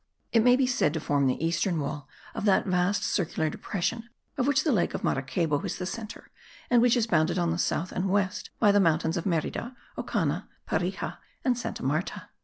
It may be said to form the eastern wall of that vast circular depression of which the lake of Maracaybo is the centre and which is bounded on the south and west by the mountains of Merida, Ocana, Perija and Santa Marta.